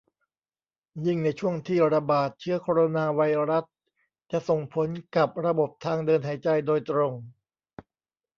ยิ่งในช่วงที่ ระบาด เชื้อโคโรนาไวรัสจะส่งผลกับระบบทางเดินหายใจโดยตรง